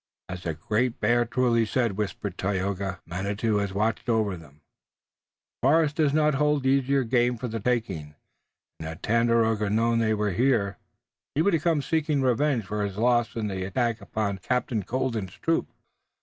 "As the Great Bear truly said," whispered Tayoga, "Manitou has watched over them. The forest does not hold easier game for the taking, and had Tandakora known that they were here he would have come seeking revenge for his loss in the attack upon Captain Colden's troop."